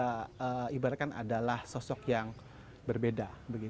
kita ibaratkan adalah sosok yang berbeda